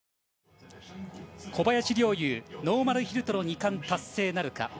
小林陵侑ノーマルヒルとの２冠達成なるか。